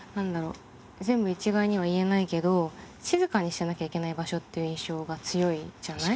全部一概には言えないけど静かにしなきゃいけない場所っていう印象が強いじゃない？